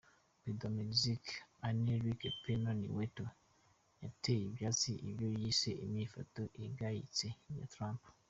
Prezida wa Mexique Enrique Pena Nieto yateye ivyatsi ico yise "inyifato igayitse" ya Trump.